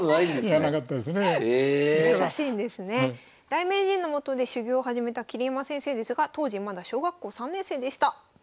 大名人のもとで修業を始めた桐山先生ですが当時まだ小学校３年生でした。